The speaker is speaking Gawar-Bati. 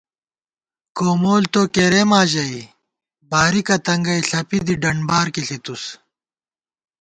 کومول تو کېرېما ژَئی، بارِکہ تنگَئ ݪپی دی ڈنبار کی ݪِتُس